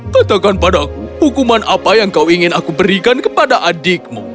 katakan padaku hukuman apa yang kau ingin aku berikan kepada adikmu